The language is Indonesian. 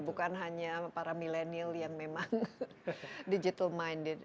bukan hanya para milenial yang memang digital minded